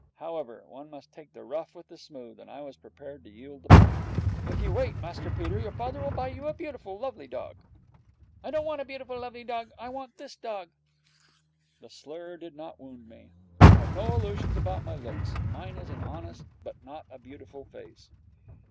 However, one must take the rough with the smooth, and I was prepared to yield the point. 'If you wait, Master Peter, your father will buy you a beautiful, lovely dog....' 'I don't want a beautiful, lovely dog. I want this dog.' The slur did not wound me. I have no illusions about my looks. Mine is an honest, but not a beautiful, face.